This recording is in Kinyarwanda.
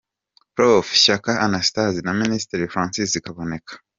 Prof. Shyaka Anastase na Minisitiri Francis Kaboneka